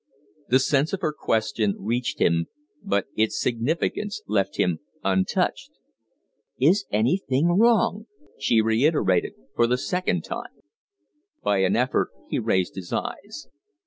The sense of her question reached him, but its significance left him untouched. "Is anything wrong?" she reiterated for the second time. By an effort he raised his eyes.